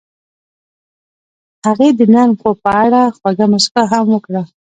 هغې د نرم خوب په اړه خوږه موسکا هم وکړه.